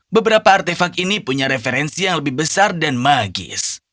beberapa artefak ini punya referensi yang lebih besar dan magis